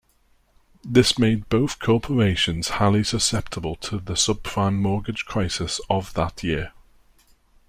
This made both corporations highly susceptible to the subprime mortgage crisis of that year.